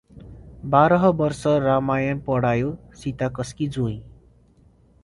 बारह बर्ष रामायण पडायो सीता कास्की जोइ